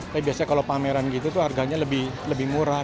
tapi biasanya kalau pameran gitu tuh harganya lebih murah